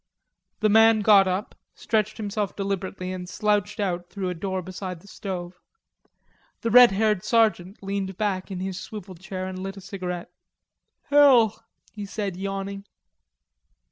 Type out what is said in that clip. The man got up, stretched himself deliberately, and slouched out through a door beside the stove. The red haired sergeant leaned back in his swivel chair and lit a cigarette. "Hell," he said, yawning.